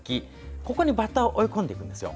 ここにバッタを追い込んでいくんですよ。